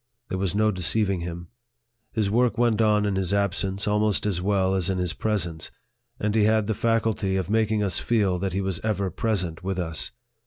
There was no deceiving him. His work went on in his absence almost as well as in his presence ; and he had the faculty of making us feel that he was ever present with us.